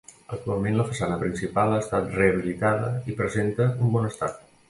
Actualment la façana principal ha estat rehabilitada i presenta un bon estat.